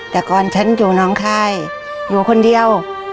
แต่ก่อนฉันอยู่น้องคายอยู่คนเดียว